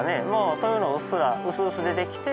そういうのがうっすら薄々出てきて。